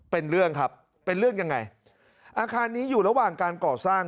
เป็นเรื่องครับเป็นเรื่องยังไงอาคารนี้อยู่ระหว่างการก่อสร้าง